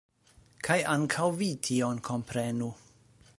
Kaj ankaŭ vi tion komprenu.